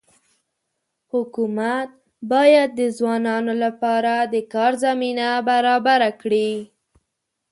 حکومت باید د ځوانانو لپاره د کار زمینه برابره کړي.